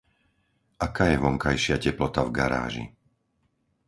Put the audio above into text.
Aká je vonkajšia teplota v garáži?